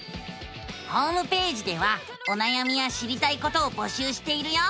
ホームページではおなやみや知りたいことを募集しているよ！